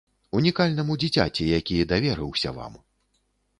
Унікальнаму дзіцяці, які даверыўся вам.